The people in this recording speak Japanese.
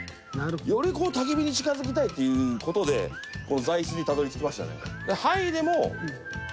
より焚き火に近づきたいっていう事で座椅子にたどり着きましたね。